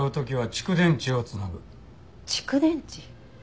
蓄電池？